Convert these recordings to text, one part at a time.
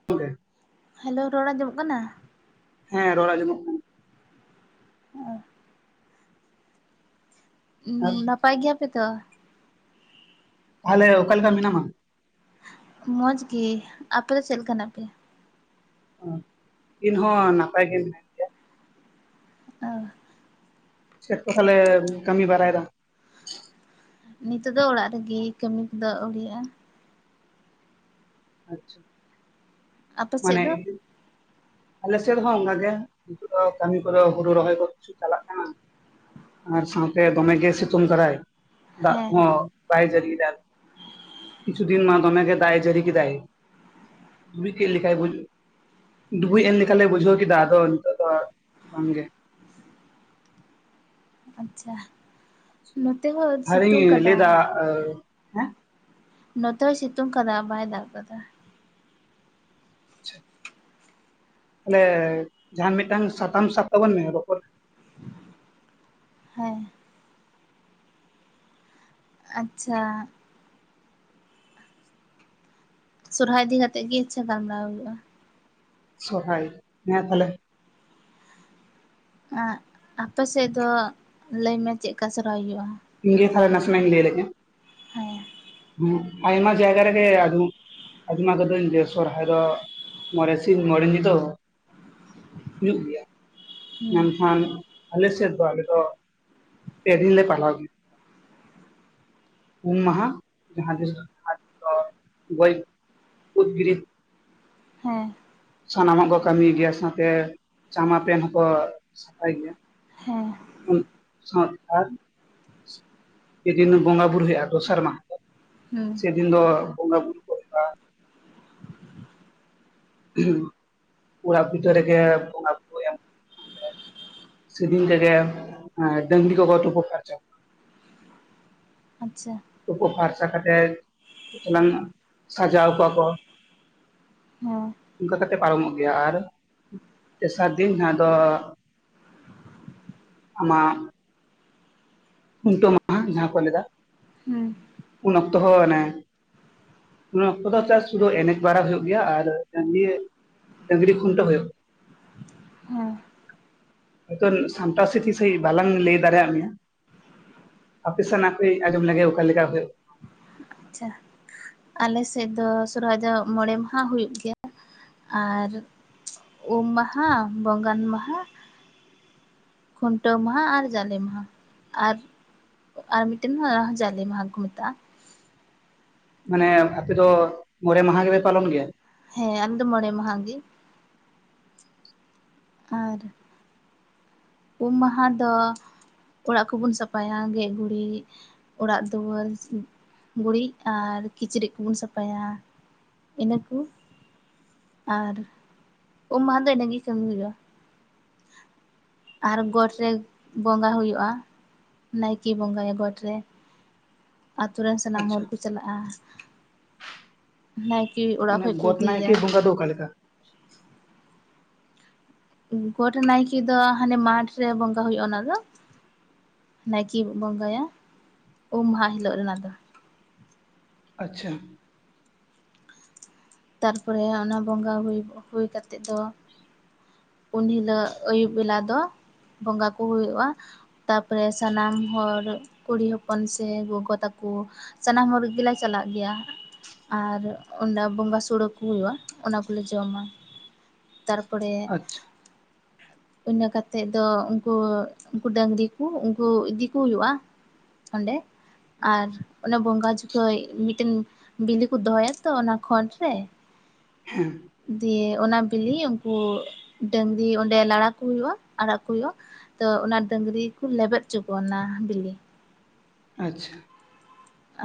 [inaudible] ᱦᱮᱸᱞᱳ ᱨᱚᱲ ᱟᱸᱡᱚᱢᱚᱜ ᱠᱟᱱᱟ ᱦᱮᱸ ᱨᱚᱲ ᱟᱸᱚᱢᱚᱜ ᱚ ᱠᱟᱱᱟ ᱱᱟᱯᱟᱭ ᱜᱮᱭᱟ ᱯᱮ ᱛᱚ ᱛᱟᱦᱚᱞᱮ ᱚᱠᱟ ᱞᱮᱠᱟ ᱢᱮᱱᱟᱢᱟ ᱢᱚᱡᱽ ᱜᱮ ᱟᱯᱮ ᱫᱚ ᱪᱮᱫ ᱞᱮᱠᱟ ᱦᱮᱱᱟᱜ ᱯᱮᱭᱟ ᱚ ᱤᱱ ᱦᱚᱸ ᱱᱟᱯᱟᱭ ᱜᱮ ᱜᱮᱭᱟ ᱚ ᱪᱮᱫ ᱠᱚ ᱛᱟᱦᱞᱮ ᱠᱟᱹᱢᱤ ᱵᱟᱲᱟᱭᱮᱫᱟᱢ ᱱᱤᱛᱚᱜ ᱫᱚ ᱚᱲᱟᱜ ᱨᱮᱜᱮ ᱠᱟᱹᱢᱤ ᱠᱚᱫᱚ ᱟᱹᱣᱨᱤᱭᱟᱜᱼᱟ ᱟᱪᱪᱷᱟ ᱟᱯᱮ ᱥᱮᱫ ᱫᱚ ᱟᱞᱮᱥᱮᱫ ᱦᱚᱸ ᱚᱱᱠᱟ ᱜᱮ ᱱᱤᱛᱚᱜ ᱫᱚ ᱠᱟᱹᱢᱤ ᱠᱚᱫᱚ ᱦᱩᱲᱩ ᱨᱚᱦᱚᱭ ᱠᱚ ᱠᱤᱪᱷᱩ ᱪᱟᱞᱟᱜ ᱠᱟᱱᱟ ᱟᱨ ᱥᱟᱶᱛᱮ ᱫᱚᱢᱮ ᱜᱮ ᱥᱤᱛᱩᱝ ᱫᱟᱨᱟᱭ ᱫᱟᱜ ᱦᱮᱸ ᱠᱚᱦᱚᱸ ᱵᱟᱭ ᱡᱟᱹᱨᱤᱭ ᱫᱟ ᱠᱤᱪᱩ ᱫᱤᱱ ᱢᱟ ᱫᱚᱢᱮ ᱰᱷᱮᱨ ᱫᱟᱜ-ᱮ ᱡᱟᱹᱨᱤ ᱠᱮᱫᱟᱭ ᱫᱩᱨᱲᱤ ᱠᱮᱜ ᱞᱮᱠᱟᱭ ᱵᱩᱡ ᱰᱩᱵᱩᱡ ᱮᱱ ᱞᱮᱠᱟ ᱞᱮ ᱵᱩᱡᱷᱟᱹᱣ ᱠᱮᱫᱟ ᱟᱫᱚ ᱱᱤᱛᱚᱜ ᱫᱚ ᱵᱟᱝ ᱜᱮ ᱟᱪᱪᱷᱟ ᱱᱚᱛᱮ ᱦᱚᱸ ᱟᱨᱤᱧ ᱥᱤᱛᱩᱝ ᱠᱟᱫᱟᱭ [unintelligible] ᱦᱮᱸ ᱱᱚᱛᱮ ᱦᱳᱭ ᱥᱤᱛᱩᱝ ᱠᱟᱫᱟ ᱵᱟᱭ ᱫᱟᱜ ᱠᱟᱫᱟ ᱟᱪᱪᱷᱟ ᱛᱟᱦᱚᱞᱮ ᱡᱟᱦᱟᱱ ᱢᱤᱫᱴᱟᱝ ᱥᱟᱛᱟᱢ ᱥᱟᱵ ᱛᱟᱵᱚᱱ ᱢᱮ ᱨᱚᱯᱚᱲ ᱦᱮᱸ ᱟᱪᱪᱷᱟ ᱥᱚᱨᱦᱟᱭ ᱤᱫᱤ ᱠᱟᱛᱮᱜ ᱜᱮ ᱤᱪᱪᱷᱟ ᱜᱟᱞᱢᱟᱨᱟᱣ ᱦᱩᱭᱩᱜᱼᱟ ᱥᱚᱨᱦᱟᱭ ᱦᱮᱸ ᱛᱟᱦᱞᱮ ᱟᱯᱮ ᱥᱮᱫ ᱫᱚ ᱞᱟᱹᱭ ᱢᱮ ᱪᱮᱫ ᱠᱟ ᱥᱨᱦᱟᱭ ᱦᱩᱭᱩᱜᱼᱟ ᱤᱧ ᱜᱮ ᱛᱟᱦᱞᱮ ᱱᱟᱥᱮᱱᱟᱜ ᱤᱧ ᱞᱟᱹᱭ ᱞᱮ ᱜᱮ ᱦᱮᱸ ᱦᱩᱸ ᱟᱭᱢᱟ ᱡᱟᱭᱜᱟ ᱨᱮᱜᱮ ᱟᱫᱚ ᱟᱡᱚᱢᱟ ᱠᱟᱹᱫᱟᱹᱧ ᱡᱮ ᱥᱚᱨᱦᱟᱭ ᱫᱚ ᱢᱚᱬᱮ ᱥᱤᱧ ᱢᱚᱬᱮ ᱧᱤᱫᱟᱹ ᱦᱩᱭᱩᱜ ᱜᱮᱭᱟ ᱦᱩᱸ ᱢᱮᱱᱠᱷᱟᱱ ᱟᱞᱮ ᱥᱮᱫ ᱫᱚ ᱟᱞᱮ ᱫᱚ ᱯᱮ ᱫᱤᱱ ᱞᱮ ᱯᱟᱞᱟᱣ ᱜᱮᱭᱟ ᱩᱢ ᱢᱟᱦᱟ ᱡᱟᱦᱟ ᱛᱤᱥ [inaudible] ᱦᱮᱸ ᱥᱟᱱᱟᱢᱟᱜ ᱠᱚ ᱠᱟᱹᱢᱤ ᱜᱮᱭᱟ ᱥᱟᱸᱶᱛᱮ ᱡᱟᱢᱟ ᱯᱮᱱ ᱦᱚᱸᱠᱚ ᱥᱟᱯᱷᱟᱭ ᱜᱮᱭᱟ ᱦᱮᱸ ᱩᱱ ᱥᱟᱸᱶ ᱟᱨ ᱯᱮᱫᱤᱱ ᱵᱚᱸᱜᱟ ᱵᱩᱨᱩ ᱦᱩᱭᱩᱜᱼᱟ ᱫᱚᱥᱟᱨᱢᱟ ᱫᱚ ᱦᱮᱸ ᱫᱤᱱ ᱫᱚ ᱵᱚᱸᱜᱟ ᱵᱩᱨᱩ ᱦᱩᱭᱩᱜᱼᱟ ᱚᱲᱟᱜ ᱵᱷᱤᱛᱟᱹᱨ ᱨᱮᱜᱮ ᱵᱚᱸᱜᱟ ᱥᱮ ᱫᱤᱱ ᱛᱮᱜᱮ ᱰᱟᱹᱝᱨᱤ ᱠᱚ ᱠᱚ ᱛᱩᱯᱩ ᱯᱷᱟᱨᱪᱟ ᱟᱪᱪᱷᱟ ᱛᱩᱯᱩ ᱯᱷᱟᱨᱪᱟ ᱠᱟᱛᱮᱜ ᱠᱟᱹᱡ ᱪᱟᱞᱟᱝ ᱥᱟᱡᱟᱣ ᱠᱚᱣᱟ ᱠᱚ ᱦᱮᱸ ᱚᱱᱠᱟ ᱠᱟᱛᱮ ᱯᱟᱨᱚᱢᱚᱜ ᱜᱮᱭᱟ ᱟᱨ ᱛᱮᱥᱟᱨ ᱫᱤᱱ ᱡᱟᱦᱟᱸ ᱫᱚ ᱟᱢ ᱠᱷᱩᱱᱴᱟᱹᱣ ᱢᱟᱦᱟ ᱡᱟᱦᱟᱸ ᱠᱚ ᱞᱟᱹᱭ ᱫᱟ ᱦᱩᱸ ᱩᱱ ᱚᱠᱛᱚ ᱦᱚᱸᱟᱱᱮ ᱤᱱ ᱚᱠᱛᱟ ᱫᱚ ᱪᱟᱥ ᱥᱩᱫᱩ ᱮᱱᱮᱠ ᱵᱟᱲᱟ ᱦᱩᱭᱩᱜ ᱜᱮᱭᱟ ᱟᱨ ᱱᱤᱭᱟ ᱰᱟᱹᱝᱨᱤ ᱠᱷᱩᱱᱴᱟᱹ ᱦᱩᱭᱩᱜᱼᱟ ᱦᱮᱸ ᱦᱚᱭᱛᱚ ᱥᱟᱢᱴᱟᱶ ᱥᱤᱛᱷᱤ ᱥᱟᱺᱦᱤᱡ ᱵᱟᱞᱟᱝ ᱞᱟᱹᱭ ᱫᱟᱲᱮᱭᱟᱜ ᱢᱮᱭᱟ ᱟᱯᱮ ᱥᱮᱫ ᱱᱟᱯᱮ ᱟᱸᱡᱚᱢ ᱞᱮᱜᱮ ᱚᱠᱟᱮᱠᱟ ᱦᱩᱭᱩᱜᱼᱟ᱾ ᱟᱪᱪᱷᱟ ᱟᱞᱮ ᱥᱮᱫ ᱫᱚ ᱥᱚᱨᱦᱟᱭ ᱡᱚᱜ ᱢᱚᱬᱮ ᱢᱟᱦᱟ ᱦᱩᱭᱩᱜ ᱜᱮᱭᱟ᱾ ᱟᱨ ᱩᱢ ᱢᱟᱦᱟ ᱵᱚᱸᱜᱟᱱ ᱢᱟᱦᱟ᱾ ᱠᱷᱩᱱᱴᱟᱹᱣ ᱢᱟᱦᱟ ᱟᱨ ᱡᱟᱞᱮ ᱢᱟᱦᱟ ᱟᱨ᱾ ᱟᱨ ᱢᱤᱫᱴᱟᱱ ᱢᱟ ᱡᱟᱞᱮ ᱢᱟᱦᱟ ᱠᱚ ᱢᱮᱛᱟᱜᱼᱟ᱾ ᱢᱟᱱᱮ ᱟᱯᱮ ᱫᱚ ᱢᱚᱬᱮ ᱢᱟᱦᱟ ᱜᱮ ᱯᱮ ᱯᱟᱞᱚᱱ ᱜᱮᱭᱟ ᱦᱮᱸ ᱟᱠᱮ ᱫᱚ ᱢᱚᱬᱮ ᱢᱟᱦᱟ ᱜᱮ᱾ ᱟᱨ ᱩᱢ ᱢᱟᱦᱟ ᱫᱚ ᱚᱲᱟᱜ ᱠᱚᱵᱚᱱ ᱥᱟᱯᱷᱟᱭᱟ ᱜᱮᱡ ᱜᱩᱨᱤᱡ᱾ ᱚᱲᱟᱜ ᱫᱩᱣᱟᱹᱨ ᱥᱤᱢ ᱜᱩᱲᱤᱡ ᱟᱨ ᱠᱤᱪᱨᱤᱡ ᱠᱚᱵᱚᱱ ᱥᱟᱯᱷᱟᱭᱟ᱾ ᱤᱱᱟᱹ ᱠᱚ ᱟᱨ ᱩᱢ ᱢᱟᱦᱟ ᱫᱚ ᱤᱱᱟᱹᱜᱮ ᱠᱟᱹᱢᱤ ᱦᱩᱭᱩᱜᱼᱟ᱾ ᱟᱨ ᱜᱚᱴ ᱨᱮ ᱵᱚᱸᱜᱟ ᱦᱩᱭᱩᱜᱼᱟ᱾ ᱱᱟᱭᱠᱮ ᱵᱚᱸᱜᱟᱭᱟ ᱜᱚᱴ ᱨᱮ ᱟᱛᱳ ᱨᱮᱱ ᱥᱟᱱᱟᱢ ᱟᱪᱪᱷᱟ ᱦᱚᱲ ᱠᱚ ᱪᱟᱞᱟᱜᱼᱟ ᱱᱟᱭᱠᱮ ᱚᱲᱟᱜ ᱠᱷᱚᱡ ᱠᱚ ᱤᱫᱤᱭᱮᱭᱟ᱾ ᱚᱱᱟ ᱫᱚ ᱚᱠᱟ ᱞᱮᱠᱟ ᱜᱚᱴ ᱱᱟᱭᱠᱮ ᱫᱚ ᱦᱟᱱᱮ ᱢᱟᱴᱷ ᱨᱮ ᱵᱚᱸᱜᱟ ᱦᱩᱭᱩᱜᱼᱟ ᱚᱱᱟ ᱫᱚ ᱱᱟᱭᱠᱮᱵ ᱵᱚᱸᱜᱟᱭᱟ ᱩᱢ ᱢᱟᱦᱟ ᱦᱤᱞᱳᱜ ᱨᱮᱱᱟᱜ ᱫᱚ ᱟᱪᱪᱷᱟ ᱛᱟᱨ ᱯᱚᱨᱮ ᱚᱱᱟ ᱵᱚᱸᱜᱟ ᱦᱩᱭ ᱠᱚ ᱦᱩᱭ ᱠᱟᱛᱮᱫ ᱫᱚ ᱩᱱ ᱦᱤᱞᱳᱜ ᱟᱹᱭᱩᱵ ᱵᱮᱞᱟ ᱫᱚ ᱵᱚᱸᱜᱟ ᱠᱚ ᱦᱩᱭᱩᱜᱼᱟ᱾ ᱛᱟᱯᱚᱨᱮ ᱥᱟᱱᱟᱢ ᱦᱚᱲ ᱠᱩᱲᱤ ᱦᱚᱯᱚᱱ ᱥᱮ ᱜᱚᱜᱚ ᱛᱟᱠᱚ ᱥᱟᱱᱟᱢ ᱦᱚᱲ ᱜᱮᱞᱮ ᱪᱟᱞᱟᱜ ᱜᱮᱭᱟ ᱟᱨ ᱚᱸᱰᱮ ᱵᱚᱸᱜᱟ ᱥᱩ ᱩᱬᱩ ᱠᱩᱣᱟᱜ ᱚᱱᱟ ᱠᱚᱞᱮ ᱡᱚᱢᱟ ᱛᱟᱨ ᱯᱚᱨᱮ ᱟᱪᱪᱷᱟ ᱤᱱᱟᱹ ᱠᱟᱛᱮᱫ ᱫᱚ ᱩᱱᱠᱩᱣᱟᱹᱜ ᱩᱱᱠᱩ ᱰᱟᱹᱝᱨᱤ ᱠᱚ ᱩᱱᱠᱩ ᱤᱫᱤ ᱠᱚ ᱦᱩᱭᱩᱜᱼᱟ᱾ ᱚᱸᱰᱮ ᱟᱨ ᱚᱱᱟ ᱵᱚᱸᱜᱟ ᱡᱚᱠᱷᱮᱡ ᱢᱤᱫᱴᱮᱱ ᱵᱤᱞᱤ ᱠᱚ ᱫᱚᱦᱚᱭᱟ ᱛᱚ ᱚᱱᱟ ᱠᱷᱚᱱᱡ ᱛᱮ ᱦᱮᱸ ᱫᱤᱭᱮ ᱚᱱᱟ ᱵᱤᱞᱤ ᱩᱱᱠᱩ ᱰᱟᱝᱨᱤ ᱚᱸᱰᱮ ᱞᱟᱲᱟᱠᱩ ᱦᱩᱭᱩᱜᱼᱟ ᱟᱲᱟᱜ ᱠᱚ ᱦᱩᱭᱩᱜᱼᱟ᱾ ᱛᱚ ᱚᱱᱟ ᱫᱟᱹᱝᱨᱤ ᱜᱤᱠᱚ ᱞᱮᱵᱮᱫ ᱪᱚ ᱠᱚᱣᱟ ᱚᱱᱟ ᱵᱤᱞᱤ ᱟᱪᱪᱷᱟ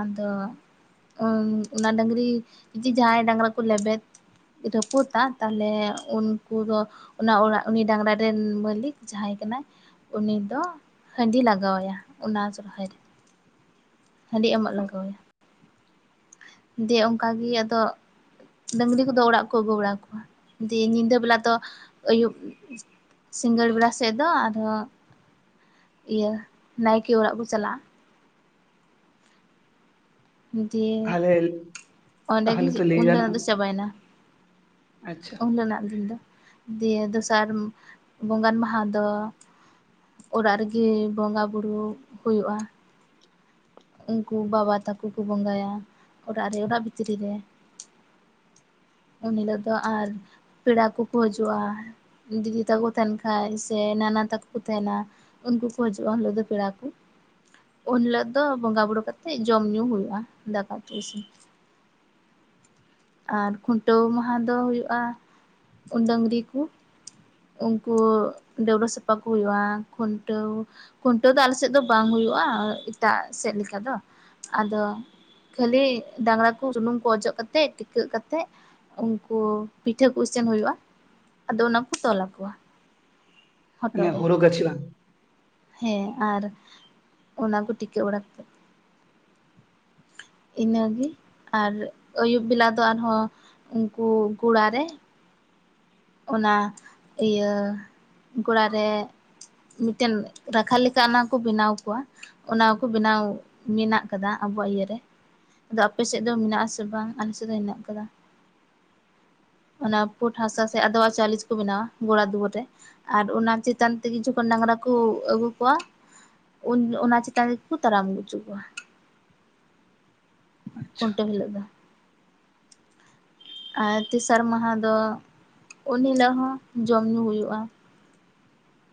ᱟᱫᱚ ᱚᱱ ᱚᱱᱟ ᱰᱟᱹᱝᱨᱤ ᱡᱤ ᱡᱟᱦᱟᱸᱭ ᱰᱟᱝᱨᱟ ᱠᱚ ᱞᱮᱵᱮᱫ ᱨᱟᱹᱯᱩᱛᱟ ᱛᱟᱦᱚᱞᱮ ᱩᱱᱠᱩ ᱫᱚ ᱚᱱᱟ ᱚᱲᱟᱜ ᱩᱱᱤ ᱰᱟᱝᱨᱟ ᱨᱮᱱ ᱢᱟᱹᱞᱤᱠ ᱡᱟᱦᱟᱸᱭ ᱠᱟᱱᱟᱭ ᱩᱱᱤ ᱫᱚ ᱦᱟᱺᱰᱤ ᱞᱟᱜᱟᱣ ᱟᱭᱟ ᱚᱱᱟ ᱡᱚᱪᱦᱚᱡ ᱦᱟᱺᱰᱤ ᱮᱢᱚᱜ ᱞᱟᱜᱟᱣ ᱟᱭᱟ ᱫᱤᱭᱮ ᱚᱱᱠᱟ ᱜᱮ ᱟᱫᱚ ᱰᱟᱹᱝᱞᱤ ᱠᱚ ᱫᱚ ᱚᱲᱟᱜ ᱠᱚ ᱟᱹᱜᱩ ᱵᱟᱲᱟ ᱠᱚᱣᱟ ᱫᱤᱭᱮ ᱧᱤᱫᱟᱹ ᱵᱮᱞᱟ ᱫᱚ ᱟᱹᱭᱩᱵ ᱥᱤᱸᱜᱟᱹᱲ ᱵᱮᱲᱟ ᱥᱮᱫ ᱫᱚ ᱟᱫᱚ ᱤᱭᱟᱹ ᱱᱟᱭᱠᱮ ᱚᱲᱟᱜ ᱠᱚ ᱪᱟᱞᱟᱜᱼᱟ᱾ ᱫᱤᱭᱮ ᱛᱟᱦᱚᱞᱮ ᱚᱸᱰᱮ ᱜᱮ ᱛᱟᱦᱚᱞᱮ ᱪᱮᱫ ᱛᱚ ᱠᱚ ᱞᱟᱹᱭ ᱞᱟᱹᱭᱟ ᱜᱟᱱᱚᱜᱼᱟ ᱟᱫᱚ ᱪᱟᱵᱟᱭ ᱮᱱᱟ ᱟᱪᱪᱷᱟ ᱩᱱ ᱨᱮᱱᱟᱜ ᱫᱤᱱ ᱫᱚ ᱫᱤᱭᱮ ᱫᱚᱥᱟᱨ ᱵᱚᱸᱜᱟᱱ ᱢᱟᱦᱟ ᱫᱚ ᱚᱲᱟᱜ ᱨᱮᱜᱤ ᱵᱚᱸᱜᱟ ᱵᱳᱨᱩᱜ ᱦᱩᱭᱩᱜᱼᱟ ᱩᱱᱠᱩ ᱵᱟᱵᱟ ᱛᱟᱠᱩ ᱠᱚ ᱵᱚᱸᱜᱟᱭᱟ ᱚᱲᱟᱜ ᱨᱮ ᱚᱲᱟᱜ ᱵᱷᱤᱛᱤᱨ ᱨᱮ ᱜᱮ ᱩᱱ ᱦᱤᱞᱳᱜ ᱫᱚ ᱟᱨ ᱯᱮᱲᱟ ᱠᱚ ᱠᱚ ᱦᱤᱡᱩᱜᱼᱟ ᱫᱤᱫᱤ ᱛᱟᱠᱚ ᱛᱟᱦᱮᱱ ᱠᱷᱟᱡ ᱥᱮ ᱱᱟᱱᱟ ᱛᱟᱠᱚ ᱠᱚ ᱛᱟᱦᱮᱸᱱᱟ᱾ ᱩᱱᱠᱩ ᱠᱚ ᱦᱤᱡᱩᱜᱼᱟ ᱞᱟᱹᱭ ᱫᱚ ᱯᱮᱲᱟ ᱠᱚ ᱩᱱ ᱦᱤᱞᱳᱜ ᱛᱚ ᱵᱚᱸᱜᱟ ᱵᱩᱨᱩ ᱠᱟᱛᱮᱫ ᱡᱚᱢ-ᱧᱩ ᱦᱩᱭᱩᱜᱼᱟ ᱫᱟᱠᱟ ᱩᱛᱩ ᱤᱥᱤᱱ᱾ ᱟᱨ ᱠᱷᱩᱱᱴᱟᱹᱣ ᱢᱟᱦᱟ ᱫᱚ ᱦᱩᱭᱩᱜᱼᱟ ᱰᱟᱺᱝᱨᱤ ᱠᱩ, ᱩᱱᱠᱩ ᱰᱟᱹᱵᱨᱟᱹ ᱥᱟᱯᱷᱟ ᱠᱚ ᱦᱩᱭᱩᱜᱼᱟ ᱠᱷᱩᱱᱴᱟᱹᱣ, ᱠᱷᱩᱱᱴᱟᱹᱣ ᱫᱚ ᱟᱞᱮ ᱥᱮᱫ ᱫᱚ ᱵᱟᱝ ᱦᱩᱭᱩᱜᱼᱟ ᱮᱴᱟᱜ ᱥᱮᱫ ᱞᱮᱠᱟ ᱫᱚ ᱟᱫᱚ, ᱠᱷᱟᱹᱞᱤ ᱰᱟᱝᱨᱟ ᱠᱚ ᱥᱩᱱᱩᱢ ᱠᱚ ᱚᱡᱚᱜ ᱠᱟᱛᱮᱫ ᱴᱤᱠᱟᱹᱜ ᱠᱟᱛᱮᱜ, ᱩᱱᱠᱩ ᱯᱤᱴᱷᱟᱹ ᱠᱚ ᱤᱥᱤᱱ ᱦᱩᱭᱩᱜᱼᱟ ᱟᱫᱚ ᱚᱱᱟᱠᱩ ᱛᱚᱞ ᱟᱠᱚᱣᱟ, ᱢᱟᱱᱮ ᱦᱚᱴᱚᱜ ᱨᱮ ᱦᱳᱨᱳ ᱜᱟᱪᱷᱤ ᱵᱟᱝ? ᱦᱮᱸ ᱟᱨ ᱚᱱᱟ ᱠᱚ ᱴᱤᱠᱟᱹᱜ ᱵᱟᱲᱟ ᱠᱟᱛᱮ, ᱤᱱᱟᱹᱜᱮ ᱟᱨ ᱟᱹᱭᱩᱵ ᱵᱮᱞᱟ ᱫᱚ ᱟᱨᱦᱚᱸ ᱩᱱᱠᱩ ᱜᱚᱲᱟ ᱨᱮ, ᱚᱱᱟ ᱤᱭᱟᱹ ᱜᱚᱲᱟ ᱨᱮ, ᱢᱤᱫᱴᱮᱱ ᱨᱟᱠᱷᱟ ᱞᱮᱠᱟ ᱚᱱᱟ ᱠᱚ ᱵᱮᱱᱟᱣ ᱠᱚᱣᱟ, ᱚᱱᱟ ᱠᱚ ᱵᱮᱱᱟᱣ ᱢᱮᱱᱟᱜ ᱟᱠᱟᱫᱟ ᱟᱵᱚᱣᱟᱜ ᱤᱭᱟᱹᱨᱮ, ᱟᱫᱚ ᱟᱯᱮ ᱥᱮᱫ ᱫᱚ ᱢᱮᱱᱟᱜ ᱟᱥᱮ ᱵᱟᱝ ᱟᱞᱮ ᱥᱮᱫ ᱫᱚ ᱦᱮᱱᱟᱜ ᱠᱟᱫᱟ ᱚᱱᱟ- ᱯᱩᱸᱰ ᱦᱟᱥᱟ ᱥᱮ ᱥᱮ ᱟᱫᱣᱟ ᱪᱟᱣᱞᱤ ᱪᱤᱠᱚ ᱵᱮᱱᱟᱣᱟ ᱜᱚᱲᱟ ᱫᱩᱣᱟᱹᱨ ᱨᱮ, ᱟᱨ ᱚᱱᱟ ᱪᱮᱛᱟᱱ ᱛᱮᱜᱮ ᱡᱚᱠᱷᱚᱱ ᱰᱟᱝᱨᱟ ᱠᱩ ᱟᱹᱜᱩ ᱠᱚᱣᱟ, ᱩᱱ ᱚᱱᱟ ᱪᱮᱛᱟᱱ ᱨᱮᱠᱩ ᱛᱟᱲᱟᱢ ᱟᱹᱜᱩ ᱪᱚ ᱠᱚᱣᱟ, ᱟᱪᱪᱷᱟ ᱠᱷᱩᱱᱴᱟᱹᱣ ᱦᱤᱞᱳᱜ ᱫᱚ, ᱟᱨ ᱛᱮᱥᱟᱨ ᱢᱟᱦᱟ ᱫᱚ ᱩᱱ ᱦᱤᱞᱳᱜ ᱦᱚᱸ ᱡᱚᱢ ᱧᱩ ᱦᱩᱭᱩᱜᱼᱟ,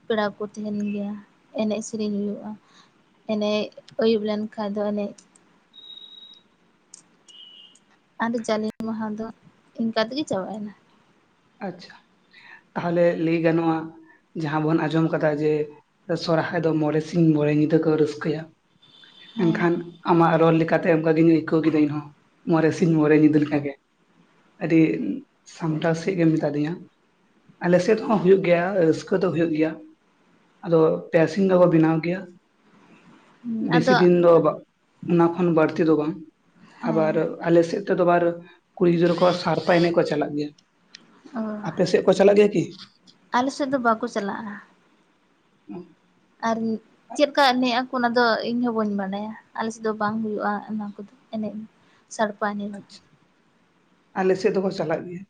ᱯᱮᱲᱟ ᱠᱚ ᱛᱟᱦᱮᱸᱱ ᱜᱮᱭᱟ ᱮᱱᱮᱡ ᱥᱮᱨᱤᱧ ᱦᱩᱭᱩᱜᱼᱟ, ᱮᱱᱮᱡ ᱟᱹᱭᱩᱵ ᱞᱮᱱ ᱠᱷᱟᱡ ᱫᱚ ᱮᱱᱮᱡ, ᱟᱫᱚ ᱡᱟᱞᱮ ᱢᱟᱦᱟ ᱫᱚ ᱤᱱᱠᱟ ᱛᱮᱜᱮ ᱪᱟᱵᱟᱭᱮᱱᱟ, ᱟᱪᱪᱷᱟ ᱛᱟᱦᱚᱞᱮ ᱞᱟᱹᱭ ᱜᱟᱱᱚᱜᱼᱟ, ᱡᱟᱦᱟᱸ ᱵᱚᱱ ᱟᱸᱡᱚᱢ ᱠᱟᱫᱟ ᱡᱮ ᱥᱚᱨᱦᱟᱭ ᱫᱚ ᱢᱚᱬᱮ ᱥᱤᱧ ᱢᱚᱬᱮ ᱧᱤᱫᱟᱹ ᱠᱚ ᱨᱟᱹᱥᱠᱟᱹᱭᱟ, ᱮᱱ ᱦᱮᱸ ᱠᱷᱟᱱ- ᱟᱢᱟᱜ ᱨᱚᱲ ᱞᱮᱠᱟ ᱛᱮ ᱚᱱᱠᱟᱜᱤᱧ ᱟᱹᱭᱠᱟᱹᱣ ᱠᱮᱫᱟ ᱤᱧᱦᱚᱸ ᱢᱚᱬᱮ ᱥᱤᱧ ᱢᱚᱬᱮ ᱧᱤᱫᱟᱹ ᱞᱮ ᱞᱮᱠᱟ ᱜᱮ, ᱟᱹᱰᱤ ᱥᱟᱢᱴᱟᱣ ᱥ ᱪᱮᱫ ᱜᱮᱢ ᱢᱮᱛᱟ ᱫᱤᱧᱟ ᱟᱞᱮ ᱥᱮᱫ ᱦᱚᱸ ᱦᱩᱭᱩᱜ ᱜᱮᱭᱟ ᱨᱟᱹᱥᱠᱟᱹ ᱫᱚ ᱦᱳᱭᱳᱜ ᱜᱮᱭᱟ, ᱟᱫᱚ ᱴᱮᱥᱤᱝ ᱫᱚᱠᱚ ᱵᱮᱱᱟᱣ ᱜᱮᱭᱟ, ᱵᱮᱥᱤ ᱟᱫᱚ ᱫᱤᱱ ᱫᱚ ᱵᱟᱜ ᱚᱱᱟ ᱠᱷᱚᱱ ᱵᱟᱹᱲᱛᱤ ᱫᱚ ᱵᱟᱝ ᱦᱮᱸ ᱟᱵᱟᱨ- ᱟᱞᱮ ᱥᱮᱫ ᱛᱮᱫᱚ ᱟᱨ ᱠᱩᱲᱤ ᱜᱤᱫᱽᱨᱟᱹ ᱠᱚ ᱥᱟᱲᱯᱟ ᱮᱱᱮᱡ ᱠᱚ ᱪᱟᱞᱟᱜ ᱜᱮᱭᱟ, ᱚ ᱟᱯᱮ ᱥᱮᱫ ᱠᱚ ᱪᱟᱞᱟᱜ ᱜᱮᱭᱟ ᱠᱤ? ᱟᱞᱮ ᱥᱮᱫ ᱫᱚ ᱵᱟᱠᱚ ᱪᱟᱞᱟᱜᱼᱟ, ᱩᱸ ᱟᱨ ᱪᱮᱫ ᱠᱟ ᱮᱱᱮᱡ ᱟᱠᱚ ᱚᱱᱟ ᱫᱚ ᱤᱧ ᱦᱚᱸ ᱵᱟᱹᱧ ᱵᱟᱰᱟᱭᱟ ᱟᱞᱮ ᱥᱮᱫ ᱫᱚ ᱵᱟᱝ ᱦᱩᱭᱩᱜᱼᱟ ᱚᱱᱟ ᱠᱚᱫᱚ, ᱮᱱᱮᱡ ᱥᱟᱲᱯᱟ ᱮᱱᱮᱡ ᱫᱚ ᱟᱪᱷᱟ ᱟᱞᱮ ᱥᱮᱫ ᱫᱚᱠᱚ ᱪᱟᱞᱟᱜ ᱜᱮᱭᱟ,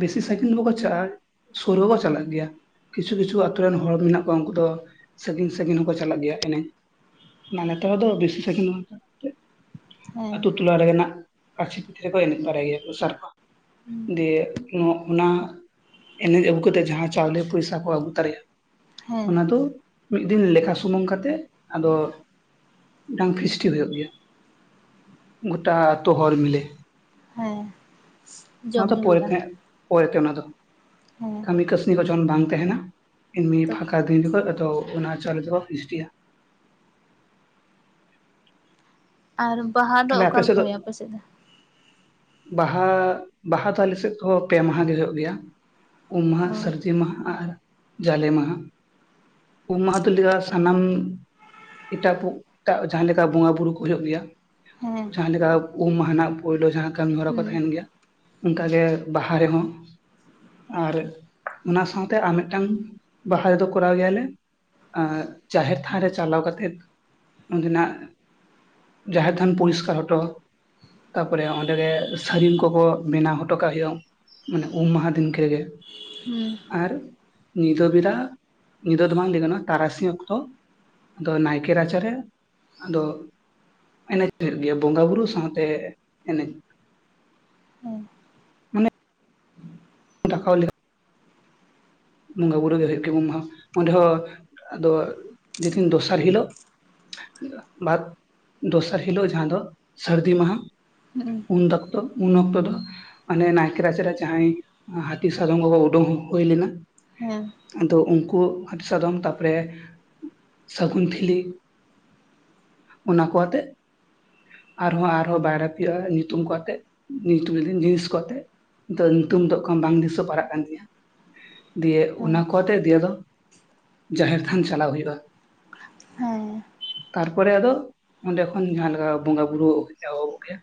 ᱵᱤᱥᱤ ᱥᱟᱭᱠᱤᱞ ᱵᱟᱠᱚ ᱪᱟᱞᱟᱜᱼᱟ ᱥᱳᱨ ᱦᱚᱵᱚ ᱪᱟᱞᱟᱜ ᱜᱮᱭᱟ, ᱠᱤᱪᱷᱩ ᱠᱤᱪᱷᱩ ᱟᱹᱛᱩ ᱨᱮᱱ ᱦᱚᱲ ᱢᱮᱱᱟᱜ ᱠᱚᱣᱟ ᱩᱱᱠᱩ ᱫᱚ ᱥᱟᱺᱜᱤᱧ ᱥᱟᱺᱜᱤᱧ ᱦᱚᱸᱠᱚ ᱪᱟᱞᱟᱜ ᱜᱮᱭᱟ ᱮᱱᱮᱡ, ᱱᱟ ᱱᱮᱛᱟᱨ ᱫᱚ ᱵᱮᱥᱤ ᱥᱠᱤᱱ [inaudible] ᱦᱮᱸ ᱟᱛᱳ ᱴᱚᱞᱟ ᱨᱮᱱᱟᱜ ᱠᱟᱥᱤ ᱯᱷᱤ ᱨᱮᱠᱚ ᱮᱱᱮᱡ ᱫᱟᱲᱮ ᱟᱭᱟ ᱠᱚ ᱥᱟᱨᱦᱟᱣ ᱫᱮᱭᱮ, ᱚᱱᱟ ᱮᱱᱮᱡ ᱟᱹᱜᱩ ᱠᱟᱛᱮᱜ ᱡᱟᱦᱟᱸ ᱪᱟᱣᱞᱮ ᱯᱩᱭᱥᱟ ᱠᱚ ᱟᱹᱜᱩ ᱛᱟᱨᱟᱭᱟ- ᱦᱮᱸ ᱚᱱᱟ ᱫᱚ ᱢᱤᱫ ᱫᱤᱱ ᱞᱮᱠᱟ ᱥᱩᱢᱩᱝ ᱠᱟᱛᱮᱜ ᱟᱫᱚ ᱢᱤᱫᱴᱟᱝ ᱠᱷᱤᱥᱴᱤ ᱦᱩᱭᱩᱜ ᱜᱮᱭᱟ᱾ ᱜᱳᱚᱴᱟ ᱛᱚᱳ ᱦᱚᱲ ᱢᱤᱞᱮ᱾ ᱦᱮᱸ ᱚᱱᱟ ᱡᱚᱢ ᱫᱚ ᱧᱩ ᱯᱚᱨᱮ ᱦᱩᱭᱩᱜᱼᱟ ᱛᱮ ᱯᱚᱨᱮ ᱛᱮ ᱚᱱᱟ ᱫᱚ, ᱦᱮᱸ ᱠᱟᱹᱢᱤ ᱠᱟᱹᱥᱱᱤ ᱠᱚ ᱡᱚᱠᱷᱚᱱ ᱵᱟᱝ ᱛᱟᱦᱮᱱᱟ, ᱮᱢᱱᱤ ᱛᱚᱠᱷᱚᱱ ᱯᱷᱟᱸᱠᱟ ᱫᱤᱱ ᱨᱮᱠᱚ ᱟᱫᱚ ᱚᱱᱟ ᱪᱟᱣᱮ ᱫᱚᱠᱚ ᱯᱤᱥᱴᱤᱜᱼᱟ᱾ ᱟᱨ ᱵᱟᱦᱟ ᱫᱚ ᱛᱟᱦᱞᱮ ᱟᱯᱮ ᱚᱠᱟᱞᱮ ᱥᱮᱫ ᱞᱮᱠᱟ ᱫᱚ ᱦᱩᱭᱩᱜᱼᱟ ᱯᱮᱥᱮᱫ ᱫᱚ? ᱵᱟᱦᱟ ᱵᱟᱦᱟ ᱫᱚ ᱟᱞᱮ ᱥᱮᱫ ᱫᱚ ᱯᱮ ᱢᱟᱦᱟ ᱜᱮ ᱦᱩᱭᱩᱜ ᱜᱮᱭᱟ᱾ ᱩᱢ ᱢᱟᱦᱟ ᱚ ᱥᱟᱹᱨᱫᱤ ᱢᱟᱦᱟ ᱟᱨ ᱡᱟᱞᱮ ᱢᱟᱦᱟ᱾ ᱩᱢ ᱢᱟᱦᱟ ᱫᱚ ᱞᱮᱫᱟᱭ ᱥᱟᱱᱟᱢ ᱮᱴᱟ ᱯᱩ ᱮᱴᱟᱜ ᱡᱟᱦᱟᱸ ᱞᱮᱠᱟ ᱵᱚᱸᱜᱟ ᱵᱩᱨᱩ ᱠᱚ ᱦᱩᱭᱩᱜ ᱜᱮᱭᱟ᱾ ᱦᱮᱸ ᱡᱟᱦᱟᱸ ᱞᱮᱠᱟ ᱩᱢ ᱢᱟᱦᱟ ᱱᱟᱜ ᱯᱳᱭᱞᱳ ᱡᱟᱦᱟᱸ ᱠᱟᱹᱢᱤᱦᱚᱨᱟ ᱠᱚ ᱦᱩᱸ ᱛᱟᱦᱮᱱ ᱜᱮᱭᱟ᱾ ᱚᱱᱠᱟᱜᱮ ᱵᱟᱦᱟ ᱨᱮᱦᱚᱸ, ᱟᱨ ᱚᱱᱟ ᱥᱟᱶᱛᱮ ᱟᱨ ᱢᱮᱜᱴᱟᱝ ᱵᱟᱦᱟ ᱨᱮᱫᱚ ᱠᱚᱨᱟᱣ ᱜᱮᱭᱟᱞᱮ, ᱡᱟᱦᱮᱨ ᱛᱷᱟᱱ ᱨᱮ ᱪᱟᱞᱟᱣ ᱠᱟᱛᱮᱜ ᱚᱸᱰᱮᱱᱟᱜ ᱡᱟᱦᱮᱨ ᱛᱷᱟᱱ ᱯᱚᱨᱤᱥᱠᱟᱨ ᱦᱚᱴᱚ᱾ ᱛᱟ ᱯᱚᱨᱮ ᱚᱸᱰᱮ ᱜᱮ ᱥᱟᱹᱨᱤᱢ ᱠᱚᱠᱚ ᱵᱮᱱᱟᱣ ᱦᱚᱴᱚ ᱠᱟᱜ ᱦᱩᱭᱩᱜᱼᱟ᱾ ᱢᱟᱱᱮ ᱩᱢ ᱢᱟᱦᱟ ᱫᱤᱱ ᱠᱷᱮᱜᱮ᱾ ᱦᱩᱸ ᱟᱨ ᱧᱤᱫᱟᱹ ᱵᱮᱨᱟ ᱧᱤᱫᱟᱹ ᱫᱚ ᱵᱟᱝ ᱞᱟᱹᱭ ᱜᱟᱱᱚᱜᱼᱟ ᱛᱟᱨᱟᱥᱤᱧ ᱚᱠᱛᱚ, ᱟᱫᱚ ᱱᱟᱭᱠᱮ ᱨᱟᱪᱟ ᱨᱮ ᱟᱫᱚ ᱮᱱᱮᱡ ᱦᱩᱭᱩᱜ ᱜᱮᱭᱟ, ᱵᱚᱸᱜᱟ ᱵᱩᱨᱩ ᱥᱟᱶᱛᱮ ᱮᱱᱮᱡ᱾ ᱦᱮᱸ ᱢᱟᱱᱮ [unintelligible] ᱵᱚᱸᱜᱟ ᱵᱩᱨᱩ ᱜᱮ ᱦᱩᱭᱩᱜ ᱜᱮ ᱩᱢ ᱢᱟᱦᱟ ᱚᱸᱰᱮ ᱦᱚᱸ ᱟᱫᱚ ᱡᱮᱫᱤᱱ ᱫᱚᱥᱟᱨ ᱦᱤᱞᱳᱜ ᱵᱟᱫ ᱫᱚᱥᱟᱨ ᱦᱤᱞᱳᱜ ᱡᱟᱦᱟᱸ ᱫᱚ ᱥᱟᱹᱨᱫᱤ ᱢᱟᱦᱟ᱾ ᱦᱩᱸ ᱩᱱ ᱫᱚᱠᱛᱚ ᱩᱱ ᱚᱠᱛᱚ ᱫᱚ, ᱟᱱᱮ ᱱᱟᱭᱠᱮ ᱨᱟᱪᱟ ᱨᱮ ᱡᱟᱸᱦᱟᱭ ᱦᱟᱹᱛᱤ ᱥᱟᱫᱚᱢ ᱠᱚ ᱠᱚ ᱳᱰᱳᱝ ᱦᱳᱭ ᱞᱮᱱᱟ, ᱦᱮᱸ᱾ ᱟᱫᱚ ᱩᱱᱠᱩ ᱦᱟᱹᱛᱤ ᱥᱟᱫᱚᱢ ᱛᱟᱯᱚᱨᱮ ᱥᱟᱹᱜᱩᱱ ᱴᱷᱤᱞᱤ ᱚᱱᱟ ᱠᱚ ᱦᱟᱛᱮᱜ ᱟᱨᱦᱚᱸ ᱟᱨᱦᱚᱸ ᱵᱟᱭᱨᱟ ᱯᱤᱭᱟ ᱧᱩᱛᱩᱢ ᱠᱚ ᱟᱛᱮᱜ ᱧᱩᱛᱩᱢ ᱞᱮ ᱫᱤᱧ ᱞᱤᱥᱴ ᱠᱚ ᱟᱛᱮᱛ ᱫᱚ ᱧᱩᱛᱩᱢ ᱫᱚ ᱮᱠᱷᱚᱱ ᱵᱟᱝ ᱫᱤᱥᱟᱹ ᱯᱟᱨᱟᱜ ᱠᱟᱱ ᱜᱤᱧᱟ᱾ ᱫᱤᱭᱮ ᱦᱮᱸ ᱚᱱᱟ ᱠᱚ ᱟᱛᱮᱫ ᱫᱤᱭᱮ ᱟᱫᱚ ᱡᱟᱦᱮᱨ ᱛᱷᱟᱱ ᱪᱟᱞᱟᱣ ᱦᱩᱭᱩᱜᱼᱟ᱾ ᱦᱮᱸ᱾ ᱛᱟᱨᱯᱚᱨᱮ ᱟᱫᱚ ᱚᱱᱰᱮ ᱠᱷᱚᱱ ᱡᱟᱦᱟᱸ ᱞᱮᱠᱟ ᱵᱚᱸᱜᱟ ᱵᱩᱨᱩ ᱮᱦᱚᱵᱚᱜ ᱜᱮᱭᱟ᱾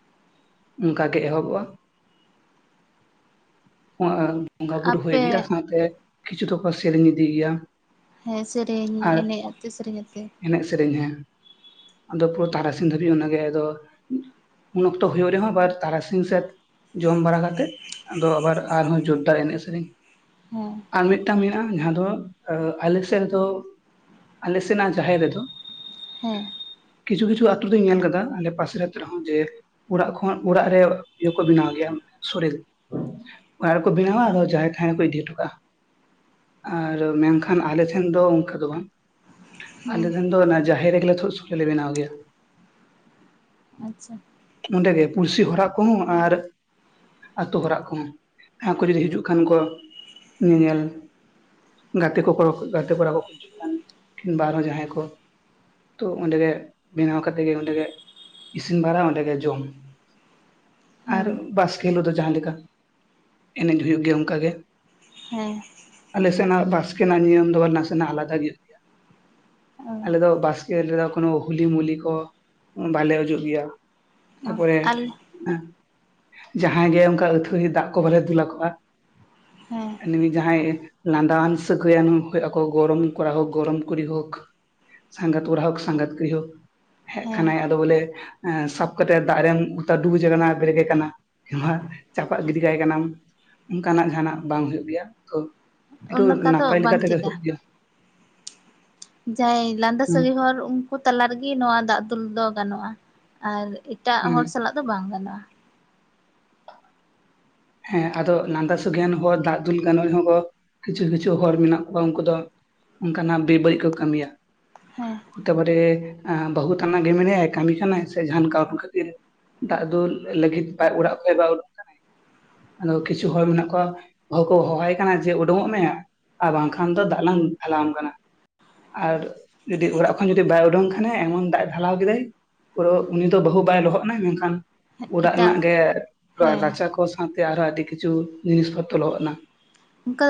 ᱚᱱᱠᱟ ᱜᱮ ᱮᱦᱚᱵᱚᱜᱼᱟ᱾ [unintelligible] ᱵᱚᱸᱜᱟ ᱵᱩᱨᱩ ᱦᱩᱭ ᱤᱫᱤᱜᱼᱟ ᱟᱯᱮ ᱥᱟᱶᱛᱮ ᱠᱤᱪᱷᱩ ᱫᱚᱠᱚ ᱥᱮᱨᱮᱧ ᱤᱫᱤ ᱜᱮᱭᱟ᱾ ᱦᱮᱸ ᱥᱮᱨᱮᱧ ᱟᱨ ᱮᱱᱮᱡ ᱟᱛᱮ ᱥᱮᱨᱮᱧ ᱟᱛᱮ᱾ ᱮᱱᱮᱡ ᱥᱮᱨᱮᱧ ᱦᱮᱸ ᱟᱫᱚ ᱯᱩᱨᱟᱹ ᱛᱟᱨᱟᱥᱤᱧ ᱫᱷᱟᱹᱵᱤᱡ ᱚᱱᱟᱜᱮ ᱟᱫᱚ᱾ ᱩᱱ ᱚᱠᱛᱚ ᱦᱩᱭᱩᱜ ᱨᱮᱦᱚᱸ ᱟᱵᱟᱨ ᱛᱟᱨᱟᱥᱤᱧ ᱥᱮᱫ ᱡᱚᱢ ᱵᱟᱲᱟ ᱠᱟᱛᱮᱜ ᱟᱫᱚ ᱟᱵᱟᱨ ᱟᱨᱦᱚᱸ ᱡᱳᱨᱫᱟᱨ ᱮᱱᱮᱡ ᱥᱮᱨᱮᱧ ᱦᱮᱸ ᱟᱨ ᱢᱤᱫᱴᱟᱝ ᱢᱮᱱᱟᱜᱼᱟ ᱡᱟᱦᱟᱸ ᱫᱚ ᱟᱞᱮ ᱥᱮᱫ ᱨᱮᱫᱚ ᱟᱞᱮ ᱥᱮᱱᱟᱜ ᱡᱟᱟᱦᱮᱨ ᱨᱮ ᱫᱚ, ᱦᱮᱸ ᱠᱤᱪᱷᱩ ᱠᱤᱪᱷᱩ ᱟᱛᱳ ᱫᱚᱧ ᱧᱮᱞ ᱠᱟᱫᱟ ᱟᱞᱮ ᱯᱟᱥᱮᱨ ᱟᱛᱳ ᱨᱮᱦᱚᱸ ᱡᱮ ᱚᱲᱟᱜ ᱠᱷᱚᱱ ᱚᱲᱟᱜ ᱨᱮ ᱤᱭᱟᱹ ᱠᱚ ᱵᱮᱱᱟᱣ ᱜᱮᱭᱟ ᱥᱳᱲᱮ᱾ ᱚᱲ [unintelligible] ᱨᱮ ᱠᱚ ᱵᱮᱱᱟᱣ-ᱟ ᱟᱫᱚ ᱡᱟᱦᱮᱨ ᱛᱷᱟᱱ ᱨᱮ ᱠᱚ ᱫᱤᱫ ᱦᱚᱴᱚ ᱠᱟᱜ-ᱟ᱾ ᱟᱨ ᱢᱮᱱᱠᱷᱟᱱ ᱟᱞᱮ ᱴᱷᱮᱱ ᱫᱚ ᱚᱱᱠᱟ ᱫᱚ ᱵᱟᱝ, ᱟᱞᱮ ᱦᱩᱸ ᱴᱷᱮᱱ ᱫᱚ ᱚᱱᱟ ᱡᱟᱦᱮᱨ ᱨᱮᱜᱮ ᱞᱮ ᱥᱳ-ᱥᱳ᱾ ᱪᱚᱞᱮ ᱵᱮᱱᱟᱣ ᱜᱮᱭᱟ᱾ ᱟᱪᱪᱷᱟ᱾ ᱚᱸᱰᱮᱜᱮ ᱯᱩᱨᱥᱤ ᱦᱚᱨᱟᱜ ᱠᱚᱦᱚᱸ ᱟᱨ ᱟᱛᱳ ᱦᱚᱨᱟᱜ ᱠᱚᱦᱚᱸ ᱡᱟᱦᱟᱸ ᱠᱚ ᱡᱩᱫᱤ ᱦᱤᱡᱩᱜ ᱠᱷᱟᱱ ᱠᱚ᱾ ᱧᱮᱧᱮᱞ ᱜᱟᱛᱮ ᱠᱚᱠᱚᱲᱚ ᱠᱚ ᱜᱟᱛᱮ ᱠᱚᱲᱟ ᱠᱚᱠᱚ ᱦᱤᱡᱩᱜ ᱠᱟᱱ ᱠᱤᱢᱵᱟ ᱟᱨᱦᱚᱸ ᱡᱟᱦᱟᱸᱭ ᱠᱚ᱾ ᱛᱚ ᱚᱸᱰᱮ ᱜᱮ ᱵᱮᱱᱟᱣ ᱠᱟᱛᱮ ᱜᱮ ᱚᱸᱰᱮ ᱜᱮ ᱤᱥᱤᱱ ᱵᱟᱨᱟ ᱚᱸᱰᱮ ᱜᱮ ᱡᱚᱢ᱾ ᱟᱨ ᱦᱮᱸ ᱵᱟᱥᱠᱮ ᱦᱤᱞᱳᱜ ᱫᱚ ᱡᱟᱦᱟᱸ ᱞᱮᱠᱟ ᱮᱱᱮᱡ ᱦᱩᱭᱩᱜ ᱜᱮᱭᱟ ᱚᱝᱠᱟᱜᱮ᱾ ᱦᱮᱸ ᱟᱞᱮ ᱥᱮᱱᱟᱜ ᱵᱟᱥᱠᱮ ᱱᱟᱜ ᱱᱤᱭᱚᱢ ᱫᱚ ᱱᱟᱥᱮᱱᱟᱜ ᱟᱞᱟᱫᱟ ᱜᱮ ᱦᱩᱭᱩᱜ ᱜᱮᱭᱟ᱾ ᱚ ᱟᱞᱮ ᱫᱚ ᱵᱟᱥᱠᱮ ᱨᱮᱫᱚ ᱠᱳᱚᱱᱳ ᱦᱩᱞᱤ ᱢᱩᱞᱤ ᱠᱚ ᱵᱟᱞᱮ ᱚᱡᱚᱜ ᱜᱮᱭᱟ᱾ ᱚ ᱛᱟᱯᱚᱨᱮ ᱟᱞ ᱡᱟᱦᱟᱸᱭ ᱜᱮ ᱚᱝᱠᱟ ᱟᱹᱛᱷᱟᱹᱲᱤ ᱫᱟᱜ ᱠᱚ ᱵᱟᱞᱮ ᱫᱩᱞ ᱟᱠᱚᱣᱟ᱾ ᱦᱮᱸ ᱮᱱᱮᱢᱤ ᱡᱟᱦᱟᱭ ᱞᱟᱸᱫᱟᱣᱟᱱ ᱥᱟᱹᱜᱟᱱ ᱦᱩᱭᱩᱜ ᱟᱠᱚ ᱜᱚᱲᱚᱢ ᱠᱚᱲᱟ ᱦᱳᱠ ᱜᱚᱲᱚᱢ ᱠᱩᱲᱤ ᱦᱳᱠ᱾ ᱥᱟᱸᱜᱟᱛ ᱠᱚᱲᱟ ᱦᱳᱠ ᱥᱟᱸᱜᱟᱛ ᱠᱩᱲᱤ ᱦᱳᱠ᱾ ᱦᱮᱜ ᱦᱮᱸ ᱠᱟᱱᱟᱭ ᱟᱫᱚ ᱵᱚᱞᱮ ᱮᱸ ᱥᱟᱵ ᱠᱟᱛᱮ ᱫᱟᱜ ᱨᱮᱢ ᱚᱛᱟ ᱰᱩᱵᱩᱡᱮ ᱟᱠᱟᱱᱟ ᱵᱮᱨᱮᱜ ᱠᱟᱱᱟ᱾ [unintelligible] ᱪᱟᱯᱟᱜ ᱜᱤᱰᱤ ᱠᱟᱭ ᱠᱟᱱᱟᱢ ᱚᱝᱠᱟᱱᱟᱜ ᱡᱟᱦᱟᱱᱟᱜ ᱵᱟᱝ ᱦᱩᱭᱩᱜ ᱜᱮᱭᱟ ᱛᱚ ᱫᱚ ᱚᱱᱠᱟ ᱱᱟᱯᱟᱭ ᱞᱮᱠᱟ ᱵᱟᱝ ᱛᱮᱜᱮ ᱴᱷᱤᱠᱟ ᱦᱩᱭᱩᱜ ᱜᱮᱭᱟ᱾ ᱡᱟᱦᱟᱸᱭ ᱞᱟᱸᱫᱟ ᱦᱩᱸ ᱥᱟᱹᱜᱟᱹᱭ ᱦᱚᱲ ᱩᱝᱠᱩ ᱛᱟᱞᱟ ᱨᱮᱜᱮ ᱱᱚᱣᱟ ᱫᱟᱜ ᱫᱩᱞ ᱫᱚ ᱜᱟᱱᱚᱜᱼᱟ᱾ ᱮᱴᱟᱜ ᱦᱩᱸ ᱦᱚᱲ ᱥᱟᱞᱟᱜ ᱫᱚ ᱵᱟᱝ ᱜᱟᱱᱚᱜᱼᱟ᱾ ᱦᱮᱸ ᱟᱫᱚ ᱞᱟᱸᱫᱟ ᱥᱟᱹᱜᱟᱹᱭᱟᱱ ᱦᱚᱲ ᱫᱟᱜ ᱫᱩᱞ ᱜᱟᱱᱚᱜ ᱦᱚᱸ ᱠᱤᱪᱷᱩ ᱠᱤᱪᱷᱩ ᱦᱚᱲ ᱢᱮᱱᱟᱜ ᱠᱚᱣᱟ ᱩᱝᱠᱩ ᱫᱚ ᱚᱝᱠᱟᱱᱟᱜ ᱵᱮ ᱵᱟᱹᱲᱤᱜ ᱠᱚ ᱠᱟᱹᱢᱤᱭᱟ᱾ ᱦᱮᱸ ᱦᱚᱛᱮ ᱯᱟᱨᱮ ᱮᱸ ᱵᱟᱹᱦᱩ ᱛᱟᱱᱟᱜ ᱜᱮ ᱢᱮᱱᱟᱭᱟ ᱠᱟᱹᱟᱢᱤ ᱠᱟᱱᱟᱭ ᱥᱮ ᱡᱟᱱ ᱠᱟᱹᱢᱤ [unintelligible] ᱠᱷᱟᱹᱛᱤᱨ᱾ ᱫᱟᱜ ᱫᱩᱞ ᱞᱟᱹᱜᱤᱫ ᱟᱡ ᱚᱲᱟᱜ ᱠᱷᱟᱡ ᱵᱟᱭ ᱚᱰᱚᱝ ᱟᱫᱚ ᱠᱤᱪᱷᱩ ᱦᱚᱲ ᱢᱮᱱᱟᱜ ᱠᱚᱣᱟ ᱵᱟᱦᱩ ᱠᱚ ᱦᱚᱦᱚᱣᱟᱭ ᱠᱟᱱᱟ ᱡᱮ ᱩᱰᱩᱝᱚᱜ ᱢᱮ᱾ ᱟᱨ ᱵᱟᱝᱠᱷᱟᱱ ᱫᱚ ᱫᱟᱜ ᱞᱟᱝ ᱯᱷᱮᱞᱟᱣᱟᱢ ᱠᱟᱱᱟ᱾ ᱟᱨ ᱡᱩᱫᱤ ᱚᱲᱟᱜ ᱠᱷᱚᱱ ᱡᱩᱫᱤ ᱵᱟᱭ ᱩᱰᱩᱝ ᱠᱷᱟᱱ ᱮᱢᱚᱱ ᱫᱟᱜ ᱮ ᱰᱷᱟᱞᱟᱣ ᱠᱮᱫᱟᱭ ᱯᱩᱨᱟᱹ ᱩᱱᱤ ᱫᱚ ᱵᱟᱹᱦᱩ ᱵᱟᱭ ᱞᱚᱦᱚᱫ ᱱᱟᱭ ᱢᱮᱱᱠᱷᱟᱱ ᱚᱲᱟᱜ ᱮᱴᱟᱜ ᱨᱮᱱᱟᱜ ᱜᱮ ᱦᱮᱸ ᱨᱟᱪᱟ ᱠᱚ ᱥᱟᱶᱛᱮ ᱟᱨᱦᱚᱸ ᱟᱹᱰᱤ ᱠᱤᱪᱷᱩ ᱡᱤᱱᱤᱥ ᱯᱚᱛᱨᱚ ᱞᱚᱦᱚᱜᱱᱟ᱾ ᱚᱱᱠᱟ